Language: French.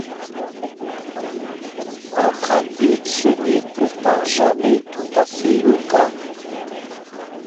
En pratique ce n’est pourtant jamais tout à fait le cas.